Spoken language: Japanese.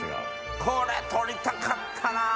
これ取りたかったな！